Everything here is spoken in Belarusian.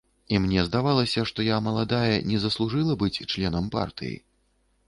І мне здавалася, што я маладая, не заслужыла быць членам партыі.